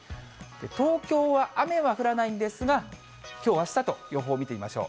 東京は、雨は降らないんですが、きょう、あしたと予報見てみましょう。